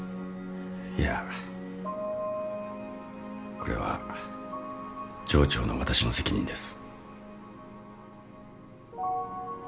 これは上長の私の責任です。